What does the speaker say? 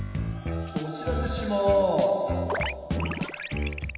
おしらせします。